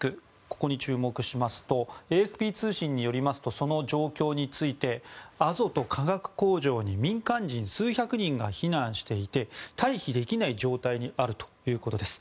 ここに注目しますとＡＦＰ通信によりますとその状況についてアゾト化学工場に民間人数百人が避難していて退避できない状態にあるということです。